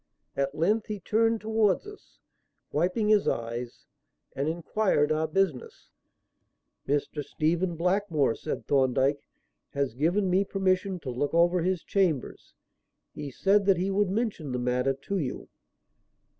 At length he turned towards us, wiping his eyes, and inquired our business. "Mr. Stephen Blackmore," said Thorndyke, "has given me permission to look over his chambers. He said that he would mention the matter to you."